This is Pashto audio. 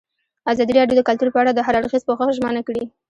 ازادي راډیو د کلتور په اړه د هر اړخیز پوښښ ژمنه کړې.